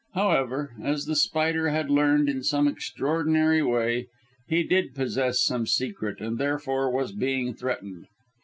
However, as The Spider had learned in some extraordinary way, he did possess some secret, and therefore was being threatened.